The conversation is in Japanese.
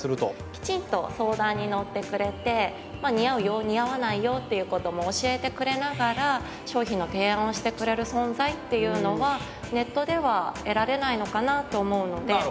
きちんと相談に乗ってくれてまあ似合うよ似合わないよっていうことも教えてくれながら商品の提案をしてくれる存在っていうのはネットでは得られないのかなと思うので。